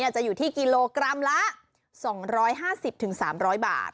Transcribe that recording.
จะอยู่ที่กิโลกรัมละ๒๕๐๓๐๐บาท